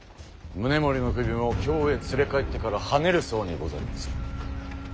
宗盛の首も京へ連れ帰ってからはねるそうにございます。